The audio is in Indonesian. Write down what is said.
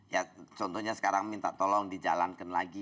ya contohnya sekarang minta tolong dijalankan lagi